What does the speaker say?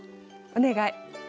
お願い。